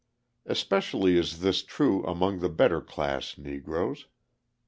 Especially is this true among the better class Negroes.